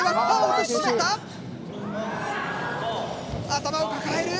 頭を抱える！